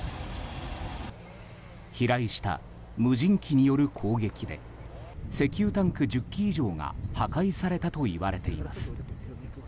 飛来した無人機による攻撃で石油タンク１０基以上が破壊されたといわれています。